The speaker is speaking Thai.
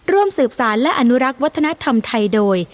ร่วมสืบสารและอนุรักษ์วัฒนธรรมไทยโดย